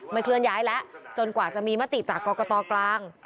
เคลื่อนย้ายแล้วจนกว่าจะมีมติจากกรกตกลาง